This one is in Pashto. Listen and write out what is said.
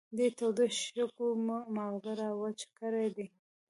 دې تودو شګو مې ماغزه را وچ کړې دي.